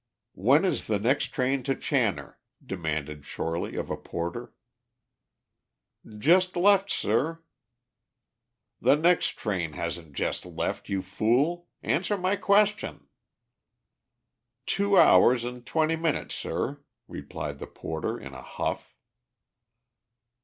"When is the next train to Channor?" demanded Shorely of a porter. "Just left, sir." "The next train hasn't just left, you fool. Answer my question." "Two hours and twenty minutes, sir," replied the porter, in a huff.